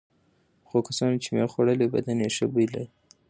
هغو کسانو چې مېوه خوړلي بدن یې ښه بوی لري.